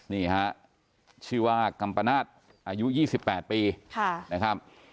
นี่ฮะชื่อว่ากัมปนาศอายุยี่สิบแปดปีค่ะนะครับ